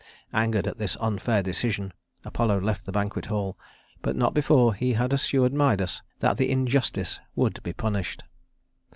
Angered at this unfair decision, Apollo left the banquet hall, but not before he had assured Midas that the injustice would be punished.